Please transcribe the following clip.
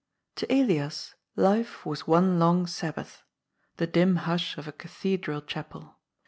To Elias life was one long Sabbath. The dim hush of a cathedral chapel.